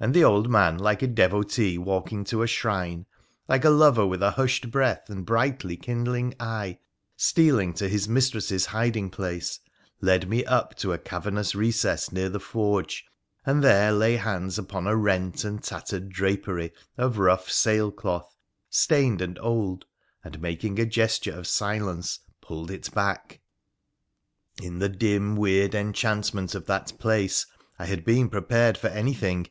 And the old man, like a devotee walking to a shrine, like a lover with hushed breath and brightly kindling eye stealing to his mistress's hiding place, led me up to a cavernous recess near the forge, and there lay hands upon a rent and tattered drapery of rough sail cloth, stained and old, and, making a gesture of silence, pulled it back. PHRA THE PHOENICIAN 299 In the dim, weird enchantment of that place, I had been prepared for anything.